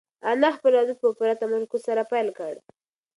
انا خپل عبادت په پوره تمرکز سره پیل کړ.